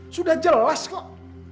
sudah jelas kok